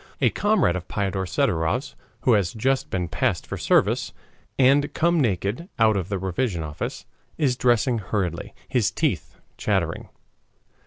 A comrade of Piotr Sidorov's, who has just been passed for service, and come naked out of the revision office, is dressing hurriedly, his teeth chattering.